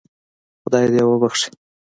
خدای دې وبخشي.